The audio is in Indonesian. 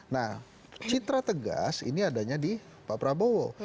nah citra tegas ini adanya di pak prabowo